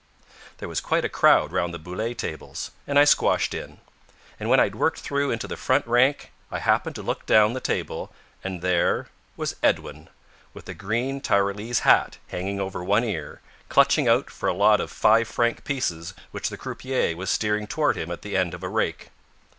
There was quite a crowd round the boule tables, and I squashed in. And when I'd worked through into the front rank I happened to look down the table, and there was Edwin, with a green Tyrolese hat hanging over one ear, clutching out for a lot of five franc pieces which the croupier was steering toward him at the end of a rake.